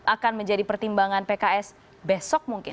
akan menjadi pertimbangan pks besok mungkin